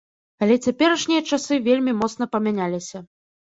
Але цяперашнія часы вельмі моцна памяняліся.